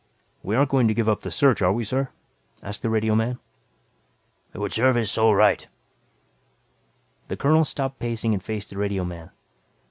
"We aren't going to give up the search are we, sir?" asked the radioman. "It would serve his soul right." The colonel stopped pacing and faced the radioman.